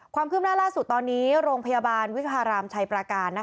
ความคืบหน้าล่าสุดตอนนี้โรงพยาบาลวิพารามชัยประการ